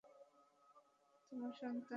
তোমার সন্তানের মতো আমাকে তেমন ভেবে কথা বলো না।